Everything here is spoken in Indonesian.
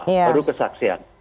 terdakwa baru kesaksian